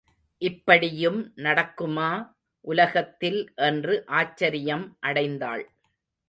இப்படியும் நடக்குமா உலகத்தில் என்று ஆச்சரியம் அடைந்தாள்.